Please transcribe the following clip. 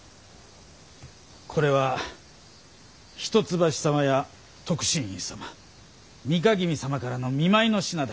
これは一橋様や徳信院様美賀君様からの見舞いの品だ。